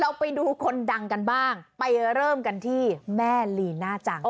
ไปดูคนดังกันบ้างไปเริ่มกันที่แม่ลีน่าจัง